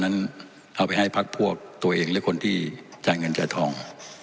เพราะฉะนั้นเอาไปให้พักพวกตัวเองหรือคนที่จ่ายเงินจ่ายทอง